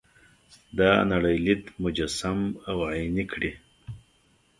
دا نړۍ لید مجسم او عیني کړي.